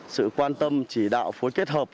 sự quan tâm chỉ đạo phối kết hợp